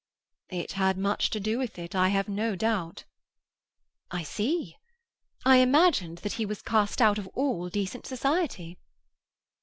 "It had much to do with it, I have no doubt." "I see. I imagined that he was cast out of all decent society."